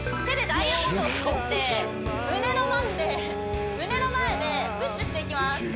手でダイヤモンドを作って胸の前で胸の前でプッシュしていきます